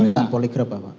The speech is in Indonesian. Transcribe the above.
pemeriksaan poligraf bapak